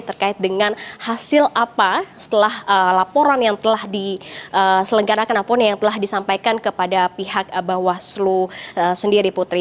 terkait dengan hasil apa setelah laporan yang telah disampaikan kepada pihak bawaslu sendiri putri